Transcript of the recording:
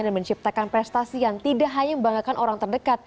dan menciptakan prestasi yang tidak hanya membanggakan orang terdekat